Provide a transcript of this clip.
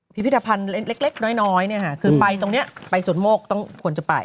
พิพิธภัณฑ์เล็กน้อยคือไปตรงนี้ไปสวนโมกต้องควรจะไป